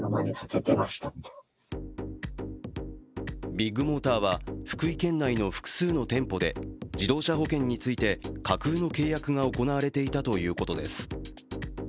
ビッグモーターは、福井県内の複数の店舗で自動車保険について架空の契約が行われていたということです。